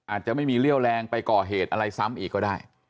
อาจจะไม่มีเลี่ยวแรงไปก่อเหตุอะไรซ้ำอีกก็ได้